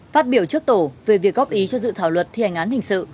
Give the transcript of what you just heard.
phát biểu trước tổ về việc góp ý cho dự thảo luật thi hành án hình sự